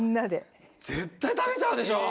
絶対食べちゃうでしょう。